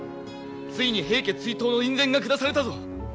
ついに平家追討の院宣が下されたぞ！